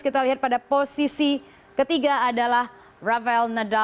kita lihat pada posisi ke tiga adalah ravel nadal